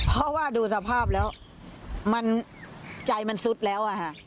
เพราะว่าดูสภาพใจมันซุดแล้ว